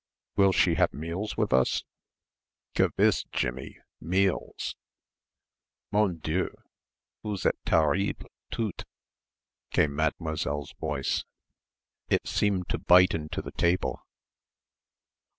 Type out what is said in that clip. "Will she have meals with us?" "Gewiss Jimmie, meals." "Mon Dieu, vous êtes terribles, toutes!" came Mademoiselle's voice. It seemed to bite into the table.